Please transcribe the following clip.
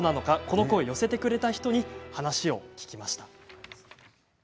この声を寄せてくれた人に話を聞きました。